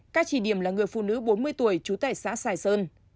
các chỉ điểm là người phụ nữ bốn mươi tuổi trú tại xã sài sơn